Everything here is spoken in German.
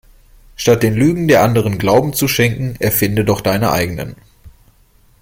Statt den Lügen der Anderen Glauben zu schenken erfinde doch deine eigenen.